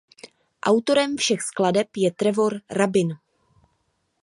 Autorem všech skladeb je Trevor Rabin.